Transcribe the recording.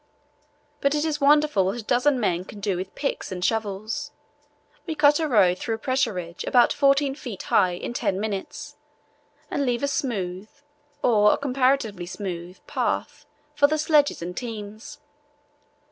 But it is wonderful what a dozen men can do with picks and shovels. We could cut a road through a pressure ridge about 14 ft. high in ten minutes and leave a smooth, or comparatively smooth, path for the sledges and teams.